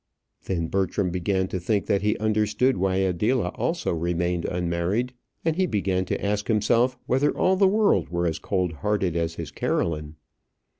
Then Bertram began to think that he understood why Adela also remained unmarried, and he began to ask himself whether all the world were as cold hearted as his Caroline.